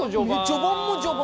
序盤も序盤。